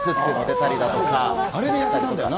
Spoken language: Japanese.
あれで痩せたんだよな。